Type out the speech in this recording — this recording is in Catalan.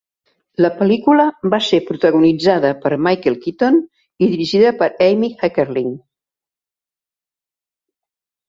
La pel·lícula va ser protagonitzada per Michael Keaton i dirigida per Amy Heckerling.